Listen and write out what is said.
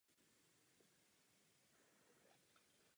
Je zde seřaďovací nádraží.